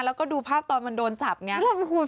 แล้วก็ดูภาพตอนมันโดนจับไง